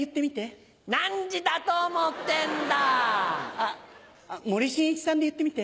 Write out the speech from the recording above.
あっ森進一さんで言ってみて。